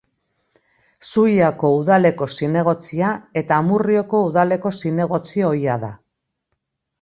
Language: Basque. Zuia-ko udaleko zinegotzia eta Amurrio-ko udaleko zinegotzi ohia da.